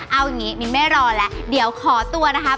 เอาอย่างนี้มิ้นไม่รอแล้วเดี๋ยวขอตัวนะครับ